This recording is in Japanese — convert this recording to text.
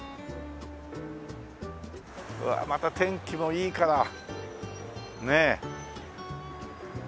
うわまた天気もいいからねえ。